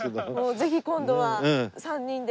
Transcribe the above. ぜひ今度は３人で。